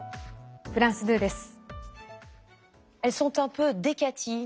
フランス２です。